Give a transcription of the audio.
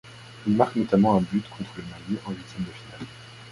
Il marque notamment un but contre le Mali en huitièmes de finale.